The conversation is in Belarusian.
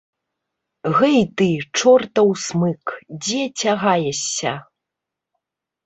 Гэй ты, чортаў смык, дзе цягаешся?